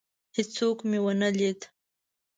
هیڅوک مي ونه لید.